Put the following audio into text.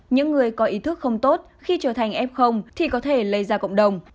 những người có ý thức không tốt khi trở thành f thì có thể lây ra cộng đồng